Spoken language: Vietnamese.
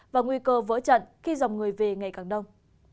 và nguy cơ vỡ trận khi dòng người về ngày càng đông